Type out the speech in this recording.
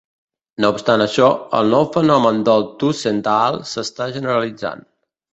No obstant això, el nou fenomen del tussentaal s'està generalitzant.